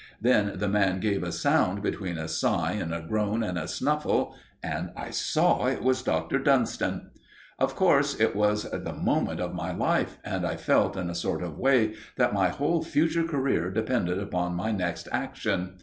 Then the man gave a sound between a sigh and a groan and a snuffle, and I saw it was Dr. Dunston! "Of course, it was the moment of my life, and I felt, in a sort of way, that my whole future career depended upon my next action.